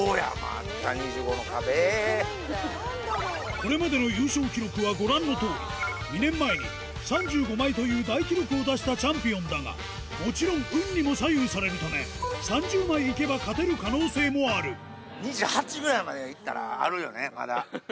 これまでの優勝記録はご覧のとおり２年前に３５枚という大記録を出したチャンピオンだがもちろん運にも左右されるため３０枚いけば勝てる可能性もある宮川